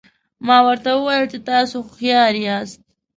ما ورته وویل چې تاسي هوښیار یاست.